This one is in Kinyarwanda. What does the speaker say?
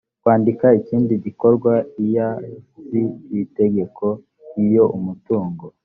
kwandikwa ikindi gikorwa iya z iri tegeko iyo umutungo